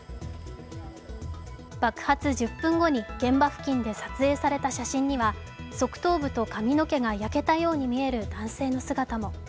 爆発１０分後に現場付近で撮影された写真には側頭部と髪の毛が焼けたように見える男性の姿も。